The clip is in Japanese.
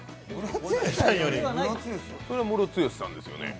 それはムロツヨシさんですよね。